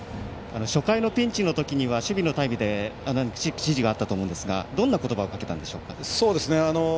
初回のピンチの時守備のタイムで指示があったと思うんですがどんな言葉をかけたんでしょうか。